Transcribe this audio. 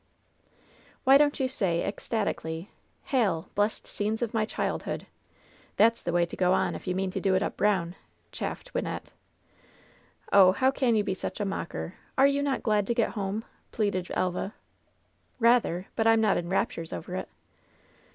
^^hy don't you say ecstatically —" ^Hail ! blest scenes of my childhood !' That's the way to go on if you mean to do it up brown !" chaffed Wynnette. "Oh, how can you be such a mocker ! Are you not glad to get home ?" pleaded Elva. "Eather ; but I'm not in raptures over it."